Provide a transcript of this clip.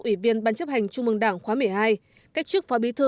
ủy viên ban chấp hành trung mương đảng khóa một mươi hai cách chức phó bí thư